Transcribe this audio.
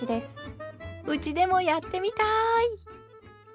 うちでもやってみたい！